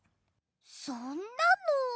そんなの。